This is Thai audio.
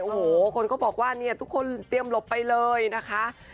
โอ้โหคนก็บอกว่าเนี่ยทุกคนเตรียมหลบไปเลยนะคะ